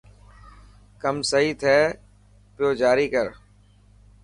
ڪم سهي ٿي پوي جاري ڪر.